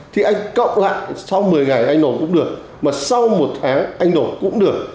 thì anh cộng lại sau một mươi ngày anh nộp cũng được mà sau một tháng anh nộp cũng được